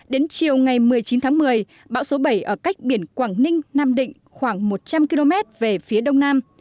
đến chiều ngày một mươi chín tháng một mươi bão số bảy ở cách biển quảng ninh nam định khoảng một trăm linh km về phía đông nam